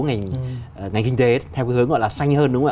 ngành kinh tế theo cái hướng gọi là xanh hơn